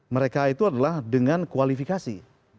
mereka itu adalah dengan kualifikasi